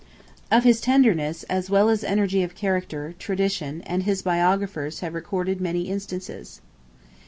Of his tenderness, as well as energy of character, tradition, and his biographers have recorded many instances.